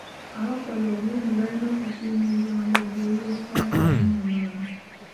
Abakola obulungi balina okusiimibwa ng'engeri y'okubazzaamu amaanyi.